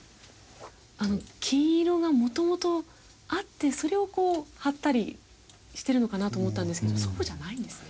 黄色が元々あってそれを貼ったりしてるのかなと思ったんですけどそうじゃないんですね。